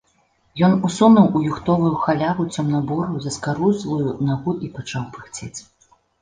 Ён усунуў у юхтовую халяву цёмна-бурую заскарузлую нагу і пачаў пыхцець.